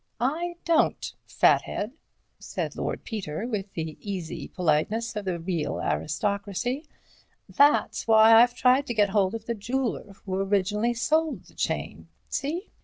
"I don't, fathead," said Lord Peter, with the easy politeness of the real aristocracy, "that's why I've tried to get hold of the jeweler who originally sold the chain. See?"